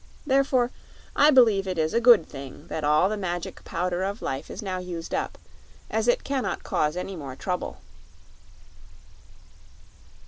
"Therefore I believe it is a good thing that all the Magic Powder of Life is now used up, as it can not cause any more trouble."